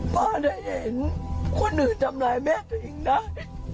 ป้าได้เห็นคนอื่นทำร้ายแม่ตัวเองได้